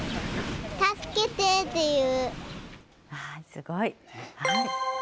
すごい。